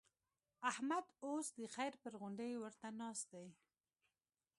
احمد اوس د خير پر غونډۍ ورته ناست دی.